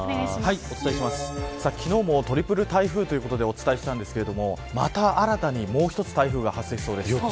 昨日もトリプル台風ということでお伝えしましたがまた新たにもう１つ台風が発生しそうです。